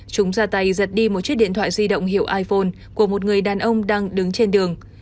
chúng ra tay giật đi một chiếc điện thoại di động hiệu iphone của một người đàn ông đang đứng trên đường